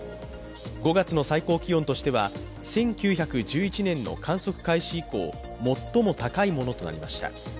５月の最高気温としては１９１１年の観測開始以降、最も高いものとなりました。